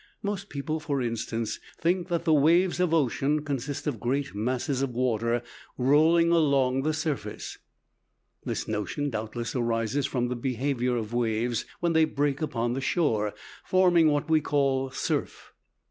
Most people, for instance, think that the waves of ocean consist of great masses of water rolling along the surface. This notion doubtless arises from the behavior of waves when they break upon the shore, forming what we call surf.